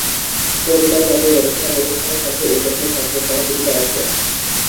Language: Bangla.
কতিপয় জাতীয় গবেষণা প্রতিষ্ঠানের সাথে এ কেন্দ্র সক্রিয় সহযোগিতা রাখে।